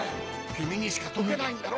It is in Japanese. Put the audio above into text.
君にしか解けないんだろ？